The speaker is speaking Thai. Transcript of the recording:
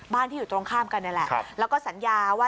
บ้านที่อยู่ตรงข้ามกันเนี่ยแหละครับแล้วก็สัญญาว่า